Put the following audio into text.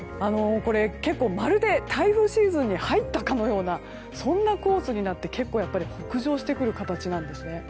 結構まるで台風シーズンに入ったかのようなそんなコースになって結構北上してくる形です。